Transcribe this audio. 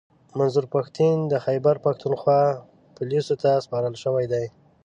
منظور پښتین د خیبرپښتونخوا پوليسو ته سپارل شوی دی